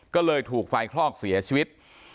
ก็เลยถูกไฟคลอกเสียชีวิต